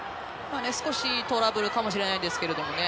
少しトラブルかもしれないですけどね